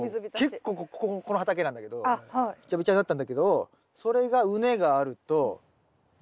結構この畑なんだけどビチャビチャになったんだけどそれが畝があるとバン！